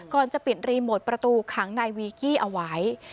ก่อนจะปิดรีโมทประตูขังนายวีกี้เอาไว้